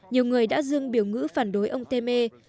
nhiều người đã dương biểu ngữ phản đối ông temer